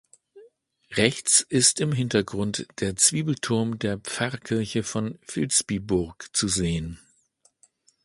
Rechts ist im Hintergrund der Zwiebelturm der Pfarrkirche von Vilsbiburg zu sehen.